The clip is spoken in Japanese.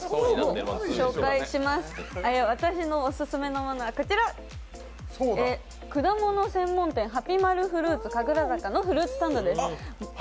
私のオススメのものは果物専門店ハピマルフルーツ神楽坂のフルーツサンドです。